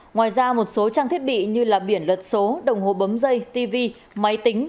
ngoài ra một số trang thiết bị như biển luật số đồng hồ bấm dây tv máy tính